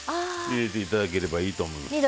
入れて頂ければいいと思います。